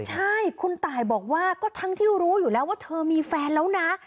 ใช่คุณตายบอกว่าก็ทั้งที่รู้อยู่แล้วว่าเธอมีแฟนแล้วนะ